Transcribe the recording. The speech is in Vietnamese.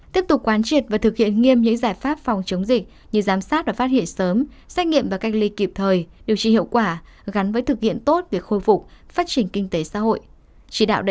tiếp tục quán triệt và thực hiện nghiêm những giải pháp phòng chống dịch như giám sát và phát hiện sớm xét nghiệm và cách ly kịp thời điều trị hiệu quả gắn với thực hiện tốt việc khôi phục phát triển kinh tế xã hội